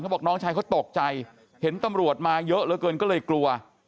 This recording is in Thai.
บอกน้องชายเขาตกใจเห็นตำรวจมาเยอะเหลือเกินก็เลยกลัว